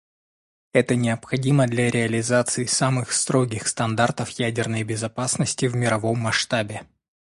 Это необходимо для реализации самых строгих стандартов ядерной безопасности в мировом масштабе.